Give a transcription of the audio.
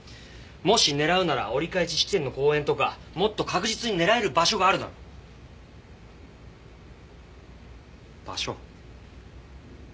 もし狙うなら折り返し地点の公園とかもっと確実に狙える場所があるだろ？場所？